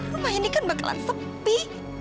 rumah ini kan bakalan sepi